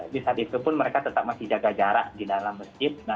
di saat itu pun mereka tetap masih jaga jarak di dalam masjid